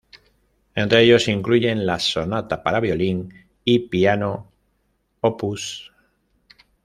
Entre ellos se incluyen la "Sonata para violín y piano", op.